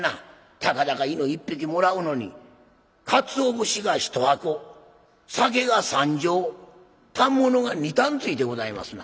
たかだか犬１匹もらうのに鰹節が１箱酒が３升反物が２反ついてございますな。